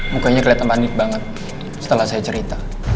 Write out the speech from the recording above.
mukanya kelihatan panik banget setelah saya cerita